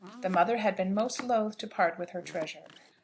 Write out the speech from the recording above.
The mother had been most loath to part with her treasure.